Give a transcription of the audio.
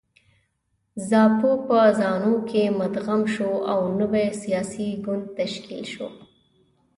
زاپو په زانو کې مدغم شو او نوی سیاسي ګوند تشکیل شو.